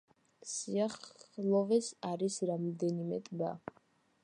სიახლოვეს არის რამდენიმე ტბა.